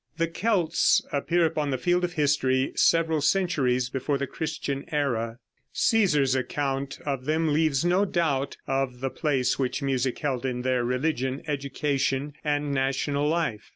The Celts appear upon the field of history several centuries before the Christian era. Cæsar's account of them leaves no doubt of the place which music held in their religion, education and national life.